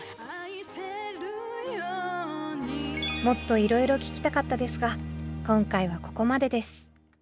もっといろいろ聞きたかったですが今回はここまでです。